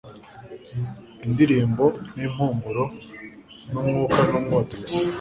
Indirimbo nimpumuro ni umwuka numwotsi gusa